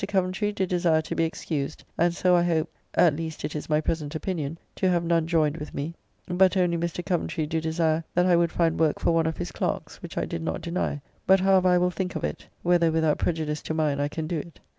Coventry did desire to be excused, and so I hope (at least it is my present opinion) to have none joined with me, but only Mr. Coventry do desire that I would find work for one of his clerks, which I did not deny, but however I will think of it, whether without prejudice to mine I can do it.